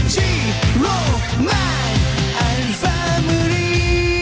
จีโรแมนและแฟมิลี่